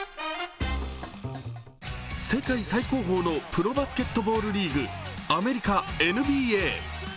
世界最高峰のプロバスケットボールリーグ、アメリカＮＢＡ。